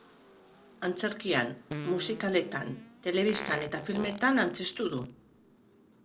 Antzerkian, musikaletan, telebistan eta filmetan antzeztu du.